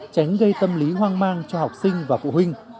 tránh gây tâm lý hoang mang cho học sinh và phụ huynh